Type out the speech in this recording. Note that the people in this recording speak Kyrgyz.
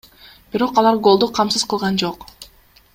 Бирок алар голду камсыз кылган жок.